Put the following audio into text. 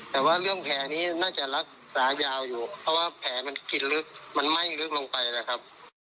แต่ว่าเรื่องแผลนี้น่าจะรักษายาวอยู่เพราะว่าแผลมันกินลึกมันไหม้ลึกลงไปนะครับ